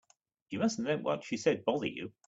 You mustn't let what she said bother you.